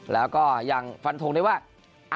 แล้วก็ยังฟันทงได้ว่า